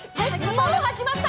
もうはじまった！？